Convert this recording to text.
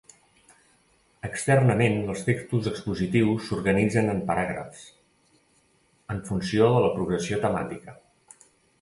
Externament els textos expositius s'organitzen en paràgrafs, en funció de la progressió temàtica.